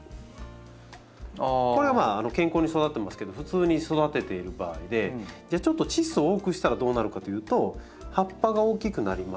これはまあ健康に育ってますけど普通に育てている場合でちょっとチッ素を多くしたらどうなるかというと葉っぱが大きくなります。